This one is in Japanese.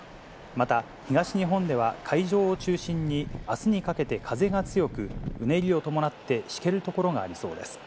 また東日本では、海上を中心にあすにかけて風が強く、うねりを伴ってしける所がありそうです。